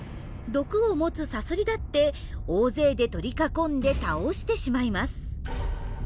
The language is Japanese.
毒を持つサソリだって大勢で取り囲んで倒してしまいます。